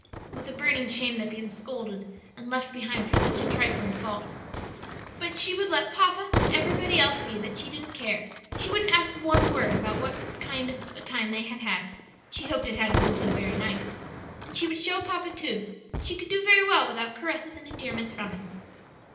It was a burning shame that she had been scolded and left behind for such a trifling fault; but she would let "papa" and everybody else see that she didn't care; she wouldn't ask one word about what kind of a time they had had (she hoped it hadn't been so very nice); and she would show papa, too, that she could do very well without caresses and endearments from him.